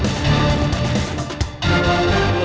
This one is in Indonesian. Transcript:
itu itu itu itu itu